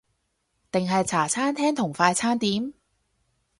定係茶餐廳同快餐店？